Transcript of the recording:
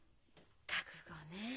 覚悟ねえ。